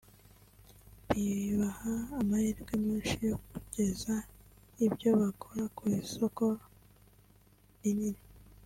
bibaha amahirwe menshi yo kugeza ibyo bakora ku isoko rinini